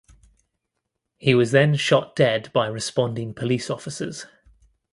He was then shot dead by responding police officers.